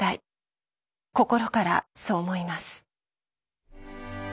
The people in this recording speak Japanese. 心からそう思います。